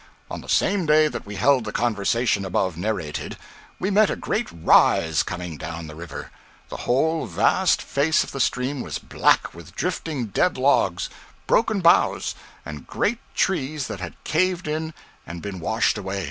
On the same day that we held the conversation above narrated, we met a great rise coming down the river. The whole vast face of the stream was black with drifting dead logs, broken boughs, and great trees that had caved in and been washed away.